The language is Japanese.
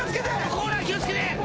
コーナー気を付けて！